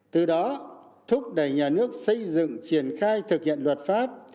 từ đó thúc đẩy nhà nước xây dựng triển khai thực hiện luật pháp